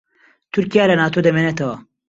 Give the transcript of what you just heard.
تورکیا لە ناتۆ دەمێنێتەوە؟